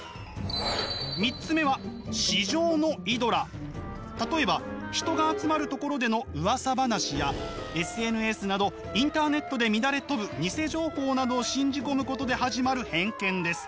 ３つ目は例えば人が集まるところでのうわさ話やＳＮＳなどインターネットで乱れ飛ぶニセ情報などを信じ込むことで始まる偏見です。